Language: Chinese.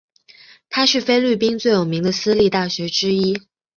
它是菲律宾最有名的私立大学之一。